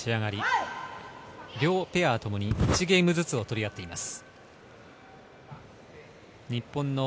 両ペアともに１ゲームずつを取り合っています。